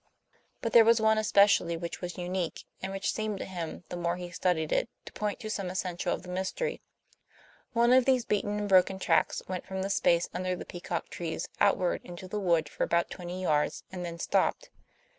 But there was one especially which was unique, and which seemed to him, the more he studied it, to point to some essential of the mystery. One of these beaten and broken tracks went from the space under the peacock trees outward into the wood for about twenty yards and then stopped.